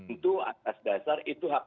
itu atas dasar itu hak